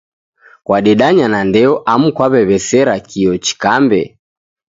Kwadedanya na ndeo amu kwaw'ew'esera kio chikambe?